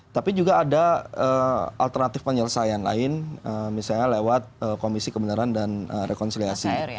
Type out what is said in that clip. tapi juga ada alternatif penyelesaian lain misalnya lewat komisi kebenaran dan rekonsiliasi